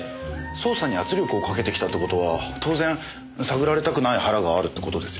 捜査に圧力をかけてきたって事は当然探られたくない腹があるって事ですよね？